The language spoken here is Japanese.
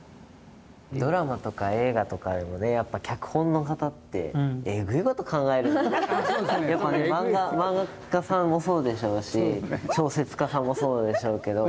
ドラマとか映画とかで脚本の方って漫画家さんもそうでしょうし小説家さんもそうでしょうけど。